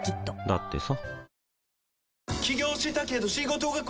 だってさ